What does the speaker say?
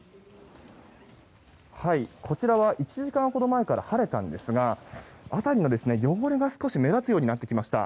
こちらは１時間ほど前から晴れたんですが辺りには、汚れが少し目立つようになってきました。